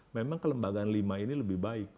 memang kelembagaan lima ini lebih baik